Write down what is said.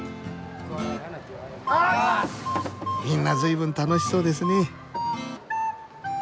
みんな随分楽しそうですね。